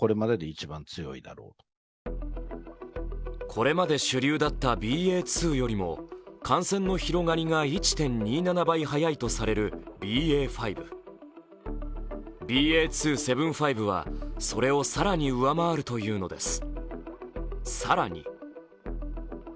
これまで主流だったＢＡ．２よりも感染の広がりが１．２７倍早いとされるＢＡ．５。ＢＡ．２．７５はそれを更に上回るというのです。